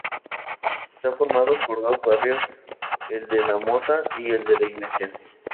Está formado por dos barrios; el de la Mota y el de la Iglesia.